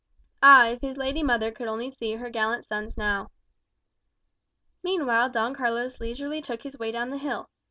Ah, if his lady mother could only see her gallant sons now!" Meanwhile Don Carlos leisurely took his way down the hill.